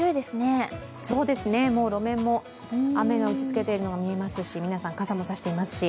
路面も雨の打ちつけているのが見えますし皆さん、傘も差していますし。